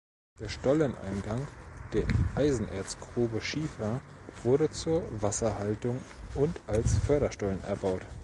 Der Stolleneingang der Eisenerzgrube "Schiefer" wurde zur Wasserhaltung und als Förderstollen erbaut.